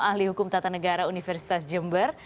ahli hukum tata negara universitas jember